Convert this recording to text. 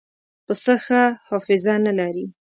پسه ښه حافظه نه لري.